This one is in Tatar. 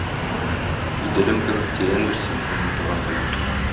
Иделем кебек тирәндер син, минем туган телем!